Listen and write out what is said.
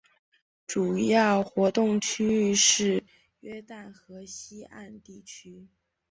主要活动区域是约旦河西岸地区。